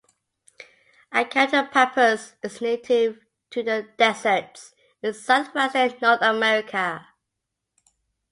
"Acamptopappus" is native to the deserts in southwestern North America.